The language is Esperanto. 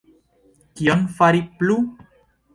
Kion fari plu?